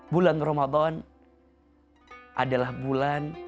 bulan ramadhan adalah bulan